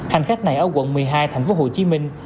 hành khách này ở quận một mươi hai thành phố hồ chí minh